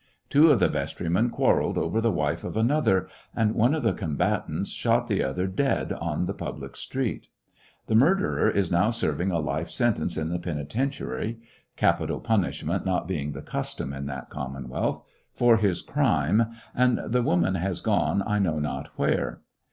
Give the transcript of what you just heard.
Two of the vestrymen quarrelled over the wife of another, and one of the combatants shot the other dead on the public street. The mur derer is now serving a life sentence in the peni tentiary (capital punishment not being the custom in that commonwealth) for his crime, and the woman has gone I know not where.